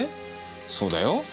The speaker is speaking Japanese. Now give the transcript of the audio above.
そうだよ。